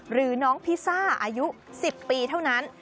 หรือน้องพิซซ่าอายุ๑๐ปีเท่านั้น